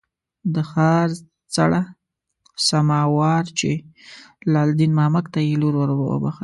د ښار څړه سما وارچي لال دین مامک ته یې لور ور وبخښله.